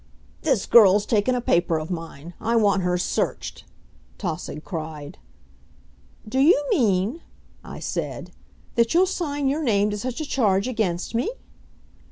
"This girl's taken a paper of mine. I want her searched," Tausig cried. "Do you mean," I said, "that you'll sign your name to such a charge against me?"